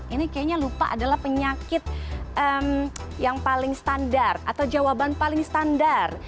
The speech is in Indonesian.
ini kayaknya lupa adalah penyakit yang paling standar atau jawaban paling standar